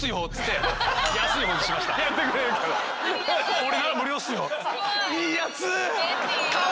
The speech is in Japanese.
「オレなら無料っすよ」。